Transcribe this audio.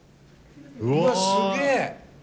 うわすげえ！